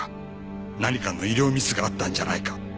何かの医療ミスがあったんじゃないか？